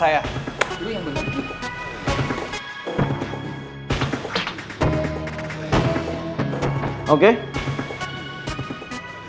saya tunggu kamu besok